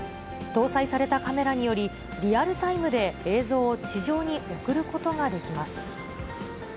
搭載されたカメラにより、リアルタイムで映像を地上に送ることができます。